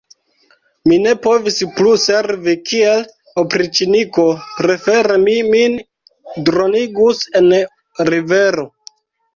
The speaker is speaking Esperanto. Mi ne povis plu servi kiel opriĉniko: prefere mi min dronigus en rivero.